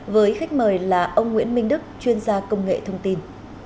với khách mời là ông nguyễn minh đức chuyên gia công nghệ thông tin